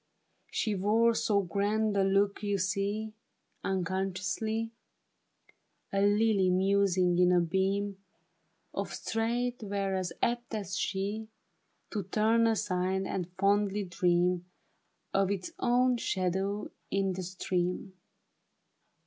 She wore so grand a look, you see, Unconsciously ; A lily musing in a beam Of starlight, were as apt as she To turn aside' and fondly dream Of its own shadow in the stream.